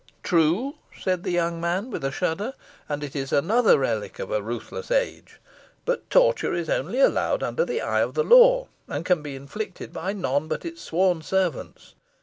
"True," said the young man, with a shudder, "and it is another relic of a ruthless age. But torture is only allowed under the eye of the law, and can be inflicted by none but its sworn servants.